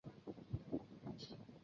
圣昂图万坎翁。